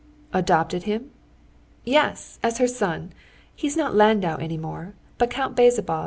"Adopted him?" "Yes, as her son. He's not Landau any more now, but Count Bezzubov.